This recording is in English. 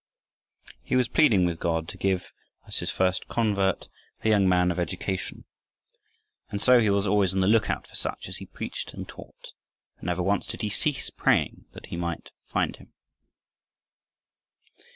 He was pleading with God to give him, as his first convert, a young man of education. And so he was always on the lookout for such, as he preached and taught, and never once did he cease praying that he might find him.